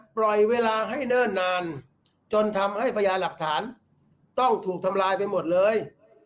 ปล่อยเวลาให้เนิ่นนานจนทำให้พญาหลักฐานต้องถูกทำลายไปหมดเลย